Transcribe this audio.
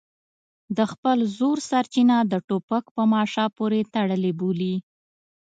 د خپل زور سرچینه د ټوپک په ماشه پورې تړلې بولي.